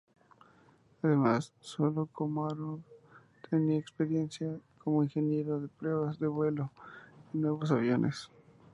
Además, solo Komarov tenía experiencia como ingeniero de pruebas de vuelo en nuevos aviones.